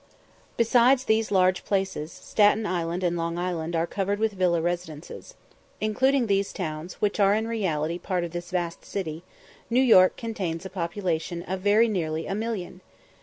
Besides these large places, Staten Island and Long Island are covered with villa residences. Including these towns, which are in reality part of this vast city, New York contains a population of very nearly a million!